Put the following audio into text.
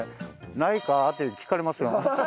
「ないか？」って聞かれますよ。